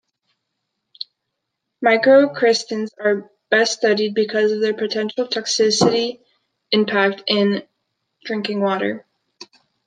Microcystins are best studied, because of their potential toxicity impact in drinking water.